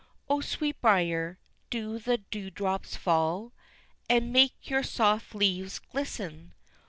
O Sweetbriar, do the dew drops fall And make your soft leaves glisten?